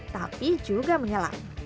tapi juga menyelam